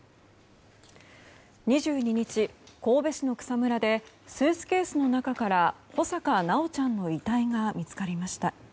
２２日、神戸市の草むらでスーツケースの中から穂坂修ちゃんの遺体が見つかりました。